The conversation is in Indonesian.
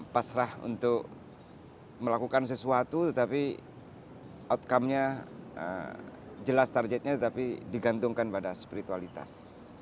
pasrah untuk melakukan sesuatu tetapi outcome nya jelas targetnya tapi digantungkan pada spiritualitas